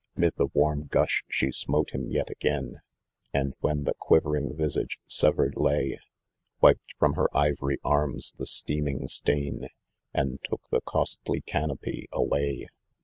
Mid the warm gush she smote him yet again, And when the quivering visage severed lay, "Wiped from her ivory arms the steaming stain. And took the costly canopy away.